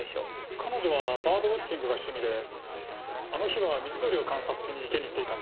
彼女はバードウオッチングが趣味であの日は水鳥を観察しに池に行っていたんです。